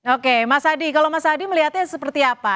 oke mas adi kalau mas adi melihatnya seperti apa